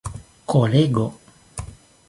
kolego